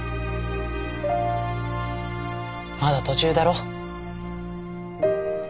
まだ途中だろ。